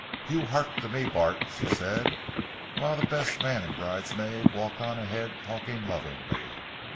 "You 'ark to me, Bart," said she, while the best man and bridesmaid walked on ahead talking lovingly.